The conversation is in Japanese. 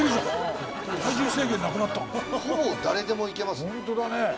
ほぼ誰でもいけますね。